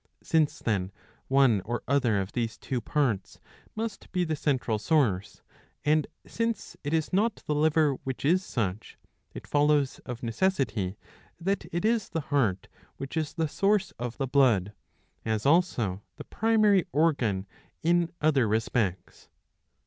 Since then one or other of these two parts must be the central source, and since it is not the liver which is such, it follows of necessity that it is the heart which is the source of the blood, as also the primary 666 a. iii. 4. 69 organ in other respects.